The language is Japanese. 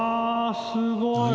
すごい！何？